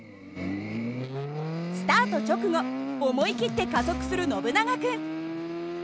スタート直後思い切って加速するノブナガ君。